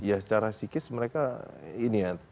ya secara psikis mereka ini ya